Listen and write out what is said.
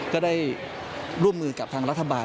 พอได้ร่วมมืออยู่กับทางรัฐบาล